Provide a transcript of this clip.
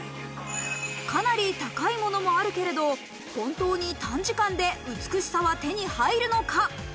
かなり高いものもあるけれど、本当に短時間で美しさは手に入るのか？